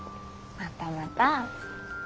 またまた。